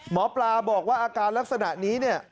หมอปลาบอกว่าอาการลักษณะนี้เนี่ย